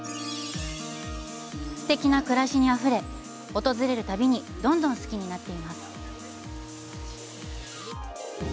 すてきな暮らしにあふれ訪れる度にどんどん好きになっています。